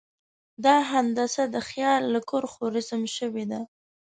دا هندسه د خیال له کرښو رسم شوې ده.